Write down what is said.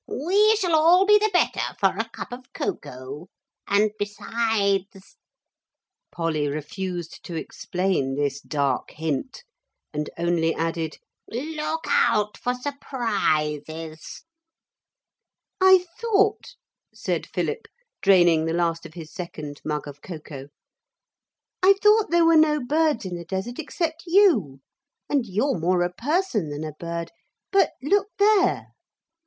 'We shall all be the better for a cup of cocoa. And besides ' Polly refused to explain this dark hint and only added, 'Look out for surprises.' 'I thought,' said Philip, draining the last of his second mug of cocoa, 'I thought there were no birds in the desert except you, and you're more a person than a bird. But look there.'